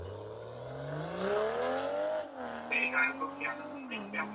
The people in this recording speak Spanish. Acá Ross reitera su habilidad de crear imágenes cinematográficas.